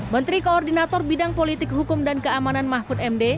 menteri koordinator bidang politik hukum dan keamanan mahfud md